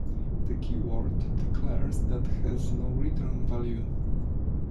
The keyword declares that has no return value.